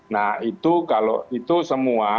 nah itu kalau itu semua